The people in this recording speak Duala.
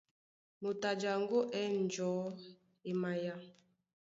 Moto a jaŋgó á ɛ̂n njɔ̌ e maya.